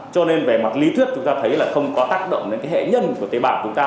cho nên về mặt lý thuyết chúng ta thấy là không có tác động đến hệ nhân của tế bào của chúng ta